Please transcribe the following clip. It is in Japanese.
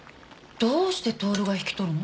どうして享が引き取るの？